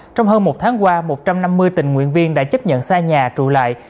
trong hơn một tháng qua một trăm năm mươi tình nguyện viên đã chấp nhận xa nhà trụ lại